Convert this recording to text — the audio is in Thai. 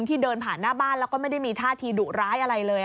เดินผ่านหน้าบ้านแล้วก็ไม่ได้มีท่าทีดุร้ายอะไรเลย